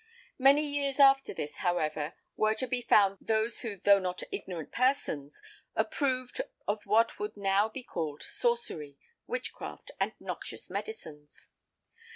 Many years after this, however, were to be found those who though not "ignorant persons" approved of what would now be called sorcery, witchcraft and noxious medicines.